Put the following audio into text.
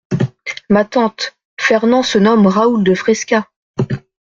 Ma tante, Fernand se nomme Raoul de Frescas.